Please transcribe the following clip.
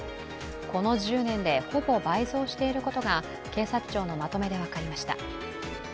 この１０年でほぼ倍増していることが警察庁のまとめで分かりました。